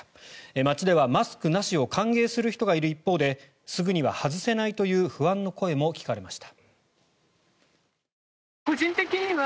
街では、マスクなしを歓迎する人がいる一方ですぐには外せないという不安の声も聞かれました。